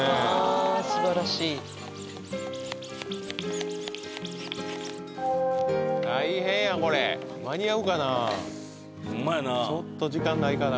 すばらしい大変やこれ間に合うかなちょっと時間ないかな